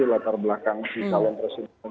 latar belakang si calon presiden